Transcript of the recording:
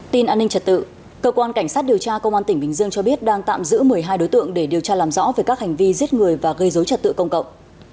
tin an ninh trật tự cơ quan cảnh sát điều tra công an tỉnh bình dương cho biết đang tạm giữ một mươi hai đối tượng để điều tra làm rõ về các hành vi giết người và gây dối trật tự công cộng